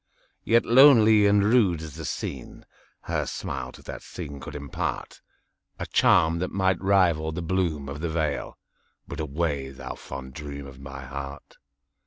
Yet lonely and rude as the scene, Her smile to that scene could impartA charm that might rival the bloom of the vale,—But away, thou fond dream of my heart!